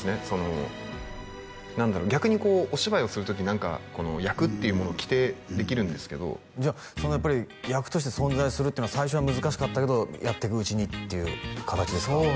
その何だろう逆にこうお芝居をする時何か役っていうものを着てできるんですけどじゃそのやっぱり役として存在するってのは最初は難しかったけどやっていくうちにっていう形ですか？